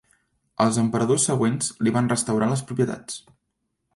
Els emperadors següents li van restaurar les propietats.